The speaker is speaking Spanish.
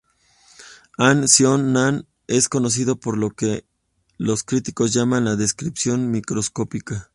Han Seong-nan es conocida por lo que los críticos llaman la "descripción microscópica".